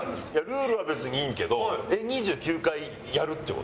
ルールは別にいいけど２９回やるっていう事？